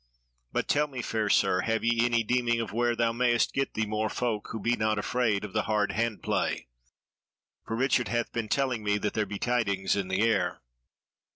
But tell me, fair Sir, have ye any deeming of where thou mayst get thee more folk who be not afraid of the hard hand play? For Richard hath been telling me that there be tidings in the air."